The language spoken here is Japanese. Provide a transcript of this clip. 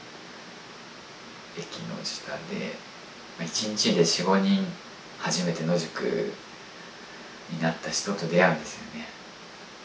駅の下で１日で４５人初めて野宿になった人と出会うんですよね。